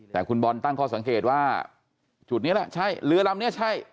แต่คุณบอลตั้งข้อสังเกตว่าจุดนี้แหละใช่เรือลำนี้ใช่